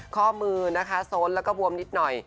ข้อมือนะคะโซนแล้วก็บวมนิดหน่อย